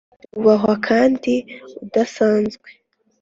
wubahwa kandi udasanzwe,